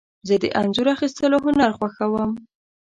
زه د انځور اخیستلو هنر خوښوم.